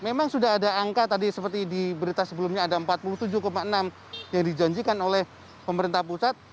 memang sudah ada angka tadi seperti di berita sebelumnya ada empat puluh tujuh enam yang dijanjikan oleh pemerintah pusat